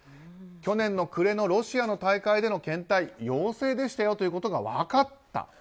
去年の暮れのロシアの大会での検体が陽性でしたよということが分かった。